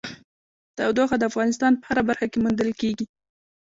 تودوخه د افغانستان په هره برخه کې موندل کېږي.